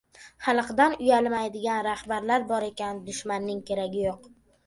Xalqdan uyalmaydigan rahbarlar bor ekan, dushmanning keragi yo‘q